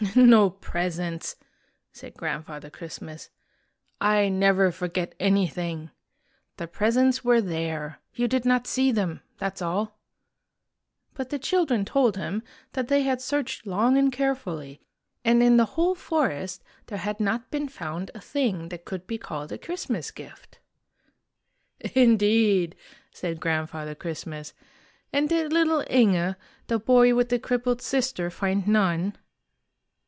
" No presents! " said Grandfather Christmas. " I never forget anything. The presents were there. You did not see them, that's all." But the children told him that they had searched long and carefully, and in the whole forest there had not been found a thing that could be called a Christmas gift. "Indeed !" said Grandfather Christmas. "And did little Inge, the boy with the crippled sister, find none?